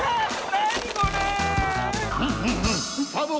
なにこれ⁉